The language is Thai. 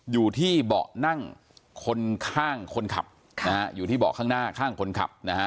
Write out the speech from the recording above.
อยู่ที่เบาะนั่งคนข้างคนขับนะฮะอยู่ที่เบาะข้างหน้าข้างคนขับนะฮะ